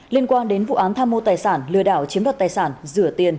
liên quan đến vụ án tham mô tài sản lừa đảo chiếm đoạt tài sản rửa tiền